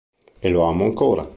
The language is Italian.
E lo amo ancora.